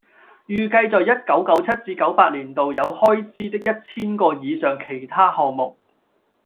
預計在一九九七至九八年度有開支的一千個以上其他項目